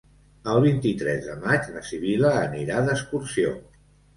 El vint-i-tres de maig na Sibil·la anirà d'excursió.